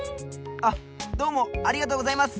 あっどうもありがとうございます。